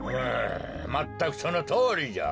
まったくそのとおりじゃ。